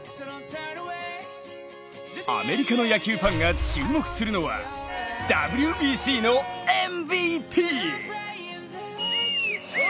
アメリカの野球ファンが注目するのはＷＢＣのＭＶＰ！